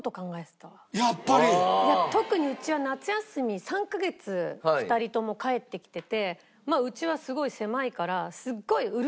特にうちは夏休み３カ月２人とも帰ってきててうちはすごい狭いからすっごいうるさくて。